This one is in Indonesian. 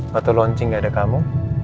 waktu launching gak ada kamu